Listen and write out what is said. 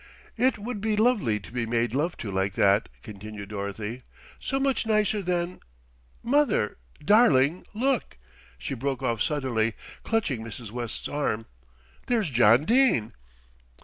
"It would be lovely to be made love to like that," continued Dorothy, "so much nicer than Mother, darling, look!" she broke off suddenly, clutching Mrs. West's arm. "There's John Dene."